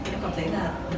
em cảm thấy là